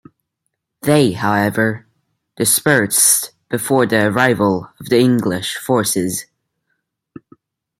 They, however, dispersed before the arrival of the English forces.